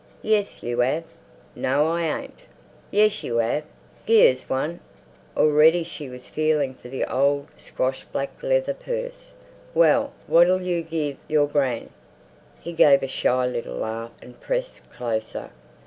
"Yes, you 'ave." "No, I ain't." "Yes, you 'ave. Gi' us one!" Already she was feeling for the old, squashed, black leather purse. "Well, what'll you give your gran?" He gave a shy little laugh and pressed closer.